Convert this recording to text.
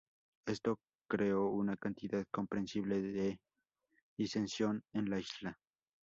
Esto creó una cantidad comprensible de disensión en la isla.